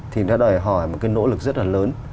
thì nó đòi hỏi một nỗ lực rất lớn